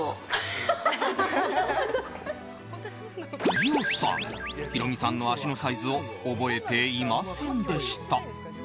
伊代さんヒロミさんの足のサイズを覚えていませんでした。